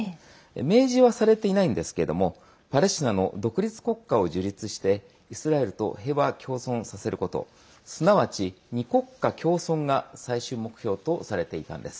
明示はされていないんですけどパレスチナの独立国家を樹立してイスラエルと平和共存させることすなわち、２国家共存が最終目標とされていたんです。